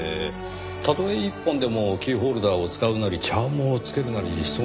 たとえ１本でもキーホルダーを使うなりチャームを付けるなりしそうなものですがね。